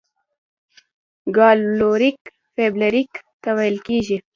ګارلوک فلیریک ته وکتل.